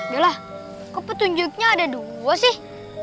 udahlah kok petunjuknya ada dua sih